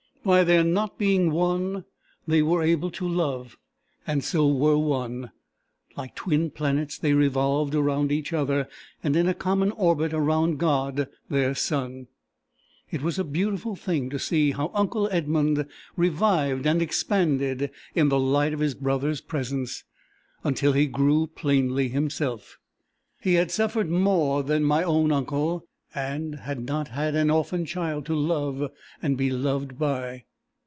By their not being one, they were able to love, and so were one. Like twin planets they revolved around each other, and in a common orbit around God their sun. It was a beautiful thing to see how uncle Edmund revived and expanded in the light of his brother's presence, until he grew plainly himself. He had suffered more than my own uncle, and had not had an orphan child to love and be loved by.